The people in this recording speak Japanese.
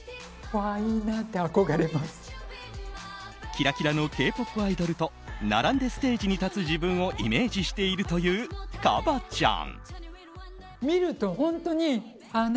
キラキラのＫ‐ＰＯＰアイドルと並んでステージに立つ自分をイメージしているというＫＡＢＡ．ちゃん。